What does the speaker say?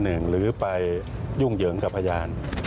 หรือไปยุ่งเหยิงกับพยาน